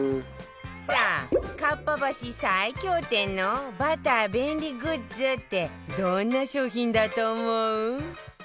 さあかっぱ橋最強店のバター便利グッズってどんな商品だと思う？